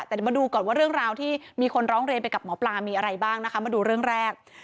แต่เดี๋ยวมาดูก่อนว่าเรื่องราวที่มีคนร้องเรียนไปกับหมอปลามีอะไรบ้างนะคะมาดูเรื่องแรก